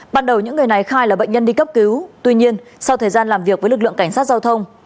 ban đầu những người này khai là bệnh nhân đi cấp cứu tuy nhiên sau thời gian làm việc với lực lượng cảnh sát giao thông